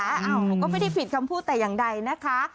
อ้าวก็ไม่ได้ผิดคำพูดแต่อย่างใดนะคะ